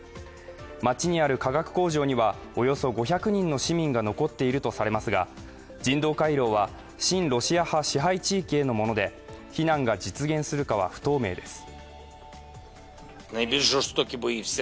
町にある化学工場には、およそ５００人の市民が残っているとされますが人道回廊は親ロシア派支配地域へのもので避難が実現するかは不透明です。